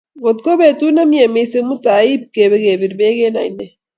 Kot ko petut ne mie mising mutai ipkepir bek eng oinet